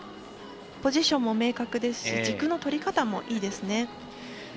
ポジションも明確ですし軸の取り方もいいですね。